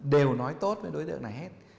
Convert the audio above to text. đều nói tốt với đối tượng này hết